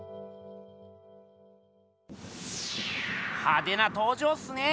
派手な登場っすね！